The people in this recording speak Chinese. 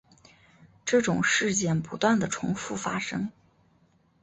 这种事件不断地重覆发生。